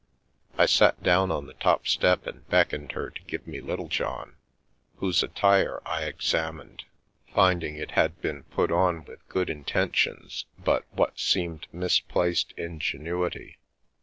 I sat down on the top step and beckoned her to give me Little John, whose attire I examined, find ing it had been put on with good intentions but what seemed misplaced ingenuity.